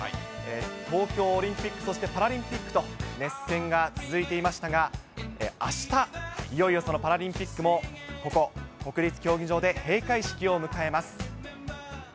東京オリンピック、そしてパラリンピックと、熱戦が続いていましたが、あした、いよいよそのパラリンピックも、ここ国立競技場で閉会式を迎えます。